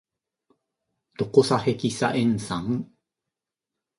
ドコサヘキサエン酸